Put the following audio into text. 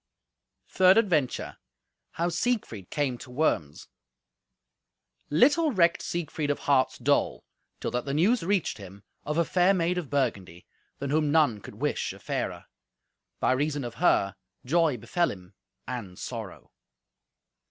Third Adventure How Siegfried Came to Worms Little recked Siegfried of heart's dole till that the news reached him of a fair maid of Burgundy, than whom none could wish a fairer; by reason of her, joy befell him, and sorrow.